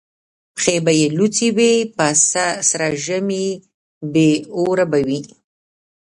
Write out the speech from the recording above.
پښې به یې لوڅي وي په سره ژمي بې اوره به وي